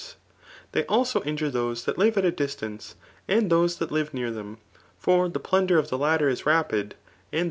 } They also injure those that lire at a db* tMice, aad those that live near them ; for ^plunder <tf the latter is rapid, and the.